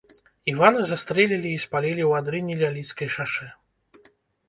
Івана застрэлілі і спалілі ў адрыне ля лідскай шашы.